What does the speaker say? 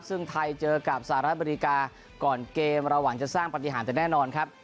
ซึ่งไทยเจอกับสหรัฐอเมริกาก่อนเกมระหว่างจะสร้างปฏิหารแต่แน่นอนครับ